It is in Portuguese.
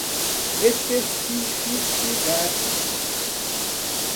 especificidade